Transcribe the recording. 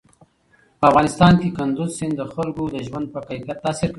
په افغانستان کې کندز سیند د خلکو د ژوند په کیفیت تاثیر کوي.